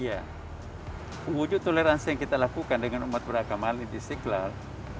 iya wujud toleransi yang kita lakukan dengan umat beragama ali di istiqlal